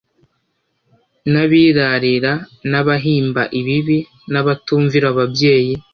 n’abirarira n’abahimba ibibi, n’abatumvira ababyeyi